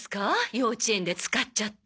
幼稚園で使っちゃって。